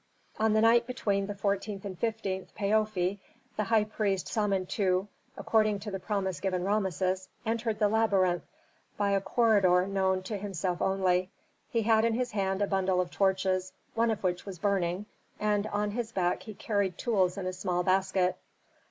On the night between the 14th and 15th Paofi the high priest Samentu, according to the promise given Rameses, entered the labyrinth by a corridor known to himself only. He had in his hand a bundle of torches, one of which was burning, and on his back he carried tools in a small basket.